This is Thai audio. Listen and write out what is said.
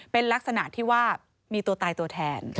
เป็นลักษณะที่ว่ามีตัวตายตัวแทน